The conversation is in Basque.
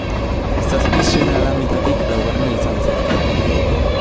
Zazpi seme-alabetatik laugarrena izan zen.